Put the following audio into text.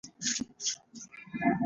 د کور سوکالي د مینې او تفاهم په برکت ده.